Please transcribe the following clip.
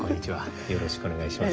よろしくお願いします。